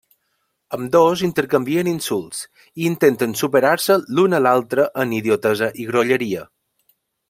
Ambdós intercanvien insults, i intenten superar-se l'un a l'altre en idiotesa i grolleria.